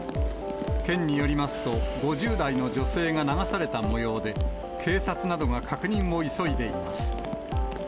県によりますと、５０代の女性が流されたもようで、警察などが確認を急いでいます。